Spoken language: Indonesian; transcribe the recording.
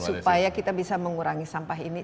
supaya kita bisa mengurangi sampah ini